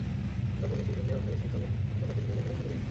আমরা বলেছি, জঙ্গিরা বাংলাদেশি, তবে আমরা তাদের নিজেদের বলে মনে করি না।